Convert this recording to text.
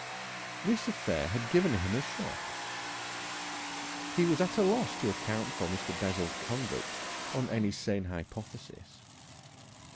This affair had given him a shock. He was at a loss to account for Mr. Bessel's conduct on any sane hypothesis.